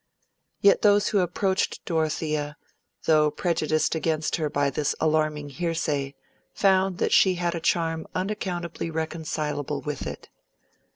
Yet those who approached Dorothea, though prejudiced against her by this alarming hearsay, found that she had a charm unaccountably reconcilable with it.